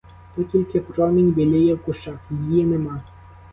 То тільки промінь біліє в кущах, її нема.